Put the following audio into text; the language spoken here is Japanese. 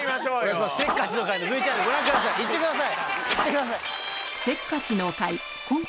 せっかちの会のＶＴＲご覧くださいいってください！